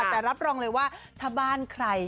แต่รับรองเลยว่าถ้าบ้านใคร